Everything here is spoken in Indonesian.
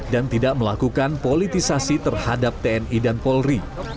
dan tidak melakukan politisasi terhadap tni dan polri